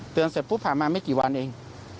เสร็จปุ๊บผ่านมาไม่กี่วันเอง